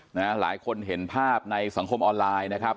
หลายคนเห็นภาพในสังคมออนไลน์นะครับ